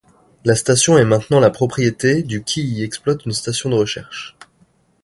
La station est maintenant la propriété du qui y exploite une station de recherche.